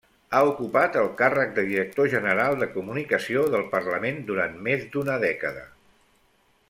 Ha ocupat el càrrec de Director General de Comunicació del Parlament durant més d'una dècada.